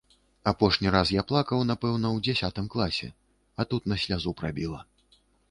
Апошні раз я плакаў, напэўна, у дзясятым класе, а тут на слязу прабіла.